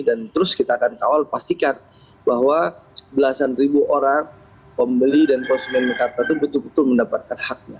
dan terus kita akan kawal pastikan bahwa belasan ribu orang pembeli dan konsumen mekarta itu betul betul mendapatkan hak